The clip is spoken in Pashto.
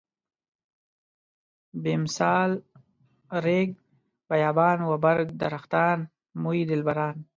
بمثال ريګ بيابان و برګ درختان موی دلبران.